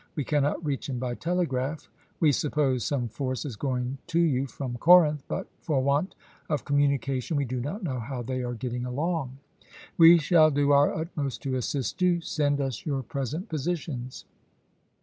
We cannot reach him by telegraph. We suppose some force is going to you from Corinth, but for want of com munication we do not know how they are getting along. We shall do our utmost to assist you. Send us your present positions."